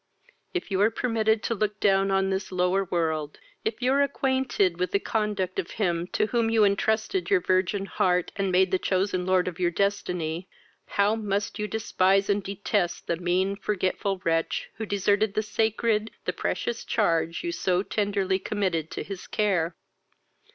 if you are permitted to look down on this lower world, if you are acquainted with the conduct of him to whom you entrusted your virgin heart, and made the chosen lord of your destiny, how must you despise and detest the mean, the forgetful wretch, who deserted the sacred, the precious charge you so tenderly committed to his care!